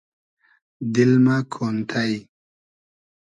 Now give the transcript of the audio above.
دیل مۂ کۉنتݷ